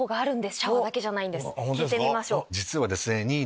シャワーだけじゃないんです。